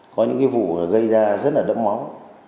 có những vụ gây ra rất là đẫm máu